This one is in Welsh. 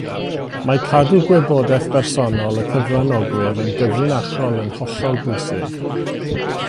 Mae cadw gwybodaeth bersonol y cyfranogwyr yn gyfrinachol yn holl bwysig